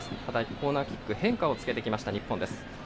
コーナーキック変化をつけてきました、日本。